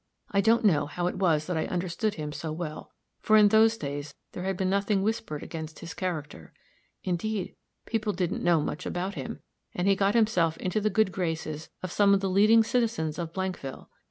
I don't know how it was that I understood him so well, for in those days there had been nothing whispered against his character. Indeed, people didn't know much about him; and he got himself into the good graces of some of the leading citizens of Blankville.